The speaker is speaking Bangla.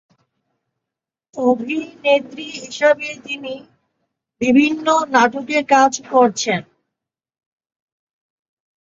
অভিনেত্রী হিসেবে তিনি বিভিন্ন নাটকে কাজ করেছেন।